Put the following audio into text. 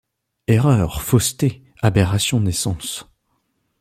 Erreur! fausseté ! aberration des sens !